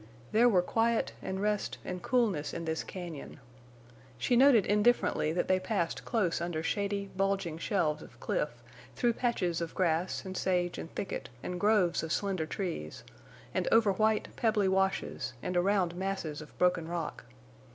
There were quiet and rest and coolness in this cañon. She noted indifferently that they passed close under shady, bulging shelves of cliff, through patches of grass and sage and thicket and groves of slender trees, and over white, pebbly washes, and around masses of broken rock.